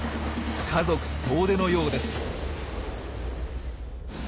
家族総出のようです。